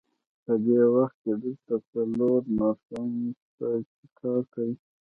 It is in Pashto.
په دې وخت کې دلته څلور نرسانې شته، چې کار کوي.